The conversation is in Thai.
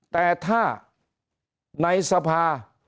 แต่ถ้าในสภา